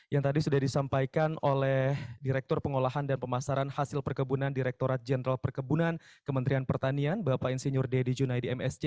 yang tadi sudah disampaikan oleh direktur pengolahan dan pemasaran hasil perkebunan direkturat jenderal perkebunan kementerian pertanian bapak insinyur dedy junaidi msc